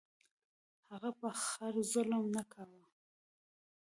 هغه په خر ظلم نه کاوه.